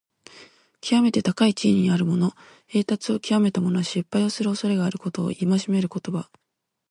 きわめて高い地位にあるもの、栄達をきわめた者は、失敗をするおそれがあることを戒める言葉。